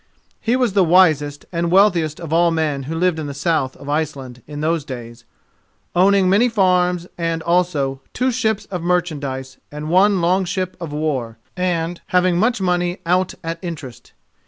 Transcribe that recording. He was the wisest and the wealthiest of all men who lived in the south of Iceland in those days, owning many farms and, also, two ships of merchandise and one long ship of war, and having much money out at interest.